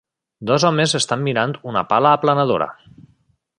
Dos homes estan mirant una pala aplanadora.